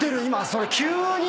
それ急に。